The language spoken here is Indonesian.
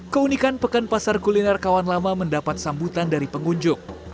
keunikan pekan pasar kuliner kawan lama mendapat sambutan dari pengunjung